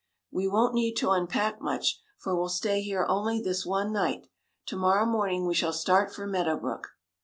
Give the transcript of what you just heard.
We won't need to unpack much, for we'll stay here only this one night. To morrow morning we shall start for Meadow Brook."